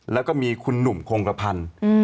แล้วก็มีคุณหนุ่มโครงกระพันธ์